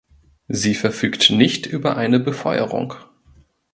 Sie verfügt nicht über eine Befeuerung.